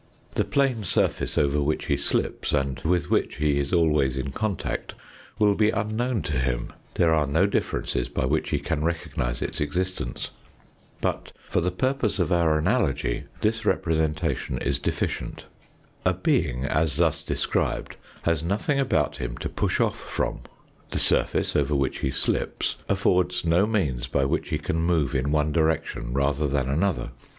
The plane surface over which he slips and with which he is always in contact will be unknown to him ; there are no differences by which he can recognise its existence. But for the purposes of our analogy this representation is deficient. A being as thus described has nothing about him to push off from, the surface over which he slips affords no means by which he can move in one direction rather than another.